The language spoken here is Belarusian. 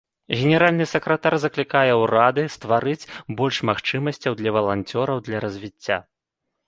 Генеральны сакратар заклікае ўрады стварыць больш магчымасцяў для валанцёраў для развіцця.